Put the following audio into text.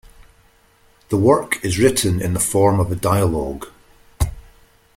The work is written in the form of a dialogue.